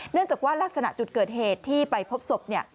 เนื่องจากว่ารักษณะจุดเกิดเหตุที่ไปพบศพ